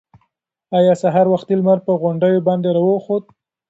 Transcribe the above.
ایا سهار وختي لمر پر غونډیو باندې راوخوت؟